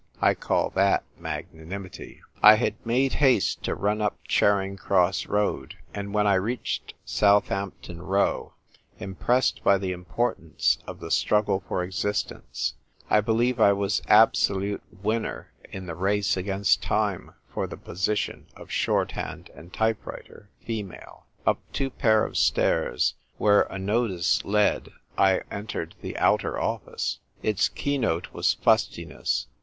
I call that magnanimity. I had made haste to run up Charing Cross Road, and when I reached Southampton Row, impressed by the importance of the Struggle for Existence, I believe I was absolute win ner in the race against time for the position of Shorthand and Type writer (female). Up two pair of stairs, where a notice led, I entered the Outer Office. Its keynote was fustiness.